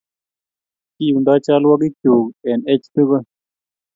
Kiundo chalwogikyuk en ech tugul